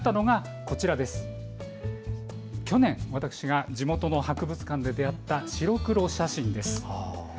そのきっかけになったのが去年、私が地元の博物館で出会った白黒写真です。